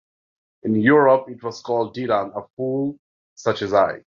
In Europe, it was called "Dylan - A Fool Such as I".